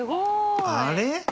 あれ？